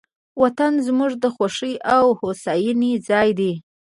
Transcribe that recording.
وطن زموږ د خوښۍ او هوساینې ځای دی.